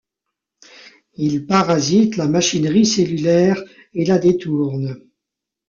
Ils parasitent la machinerie cellulaire et la détournent.